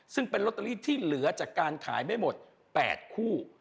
ซึ่งเป็นลอตเตอรี่ที่เหลือจากการขายไม่หมด๘คู่